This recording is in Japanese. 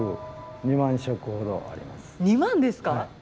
２万ですか？